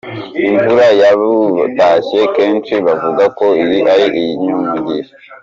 "Imvura yabutashye, kenshi bavuga ko iyi ari iy'umugisha.